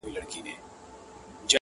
ما و شیخ بېګا له یو خومه چيښله-